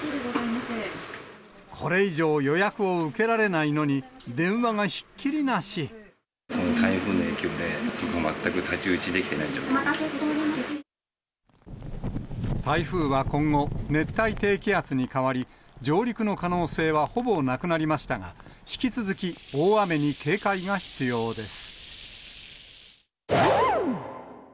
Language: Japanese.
これ以上、予約を受けられな台風の影響で、全く太刀打ち台風は今後、熱帯低気圧に変わり、上陸の可能性はほぼなくなりましたが、引き続き、大雨に警戒が必要です。